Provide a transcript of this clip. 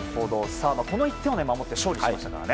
この１点を守って勝利しましたからね。